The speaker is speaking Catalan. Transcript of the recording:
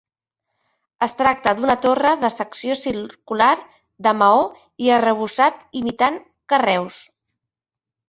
Es tracta d'una torre de secció circular de maó i arrebossat imitant carreus.